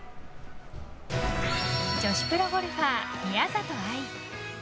女子プロゴルファー、宮里藍。